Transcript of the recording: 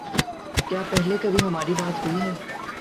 کیا پہلے کبھی ہماری بات ہوئی ہے